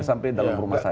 sampai dalam rumah saya